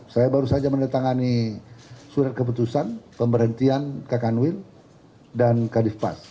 saya baru saja mendatangani surat keputusan pemberhentian kakan wil dan kadif pas